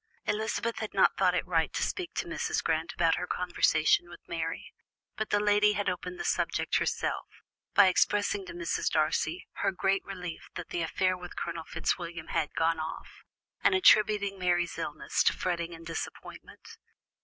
Elizabeth had not thought it right to speak to Mrs. Grant about her conversation with Mary, but that lady had opened the subject herself, by expressing to Mrs. Darcy her great relief that the affair with Colonel Fitzwilliam had gone off, and attributing Mary's illness to fretting and disappointment.